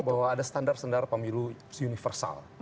bahwa ada standar standar pemilu universal